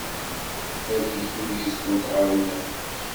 Ad yeddu yid-went ɣer unafag.